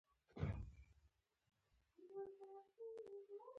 ټپي ته باید د انسان پاملرنه ور وښیو.